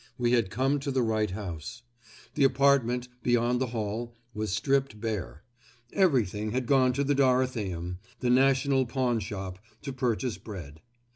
We had come to the right house. The apartment, beyond the hall, was stripped bare. Everything had gone to the Dorotheum—the national pawn shop—to purchase bread.